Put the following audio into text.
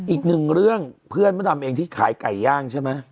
อีกหนึ่งเรื่องเพื่อนมะดำเองที่ขายไก่ย่างใช่ไหม